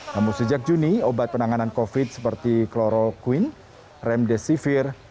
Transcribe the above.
namun sejak juni obat penanganan covid sembilan belas seperti kloroquine remdesivir